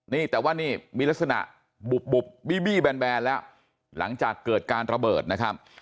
นี่แต่ว่านี่มีลักษณะบุบบีบี้แบนแล้วหลังจากเกิดการระเบิดนะครับ